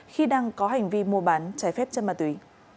khi đang có hành vi mua bán trái phép chân ma túy